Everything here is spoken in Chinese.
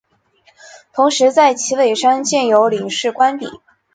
同时在旗尾山建有领事官邸。